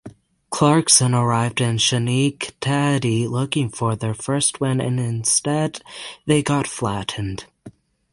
Clarkson arrived in Schenectady looking for their first win and instead they got flattened.